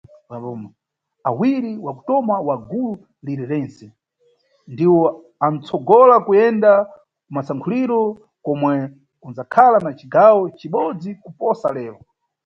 Awiri wakutoma wa gulu liri rentse ndiwo anʼtsogola kuyenda kumasankhuliro, komwe kunʼdzakhala na cigawo cibodzi kuposa lero.